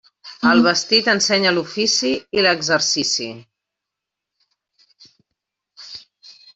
El vestit ensenya l'ofici i l'exercici.